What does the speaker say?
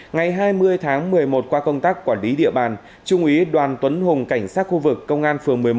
ngày hai mươi tháng một mươi một qua công tác quản lý địa bàn trung úy đoàn tuấn hùng cảnh sát khu vực công an phường một mươi một